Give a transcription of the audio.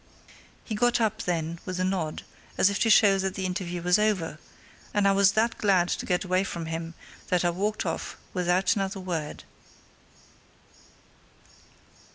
He got up then, with a nod, as if to show that the interview was over, and I was that glad to get away from him that I walked off without another word.